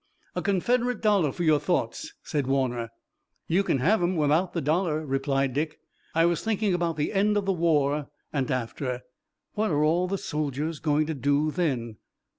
"A Confederate dollar for your thoughts," said Warner. "You can have 'em without the dollar," replied Dick. "I was thinking about the end of the war and after. What are all the soldiers going to do then?"